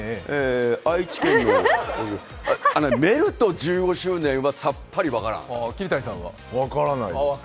愛知県のね、メルト１５周年はさっぱり分からん。